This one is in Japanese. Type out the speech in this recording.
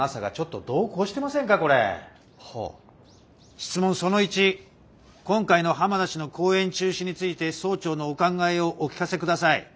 「質問その１今回の浜田氏の講演中止について総長のお考えをお聞かせください」。